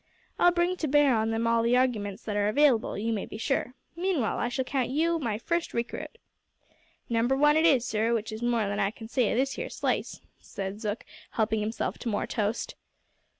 "I'll bring to bear on them all the arguments that are available, you may be sure. Meanwhile I shall count you my first recruit." "Number 1 it is, sir, w'ich is more than I can say of this here slice," said Zook, helping himself to more toast.